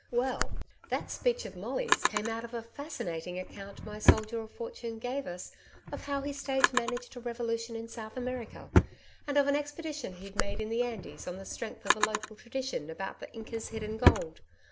Well, that speech of Molly's came out of a fascinating account my Soldier of Fortune gave us of how he stage managed a revolution in South America, and of an expedition he'd made in the Andes on the strength of a local tradition about the Incas' hidden gold.